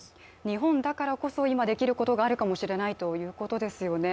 日本だからこそ今できることがあるかもしれないということですよね。